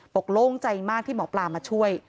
โล่งใจมากที่หมอปลามาช่วย